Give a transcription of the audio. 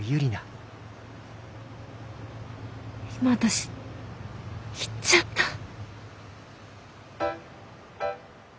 今私言っちゃった！？